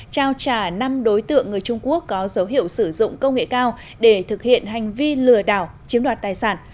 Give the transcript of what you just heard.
trao trả năm đối tượng người trung quốc có dấu hiệu sử dụng công nghệ cao để thực hiện hành vi lừa đảo chiếm đoạt tài sản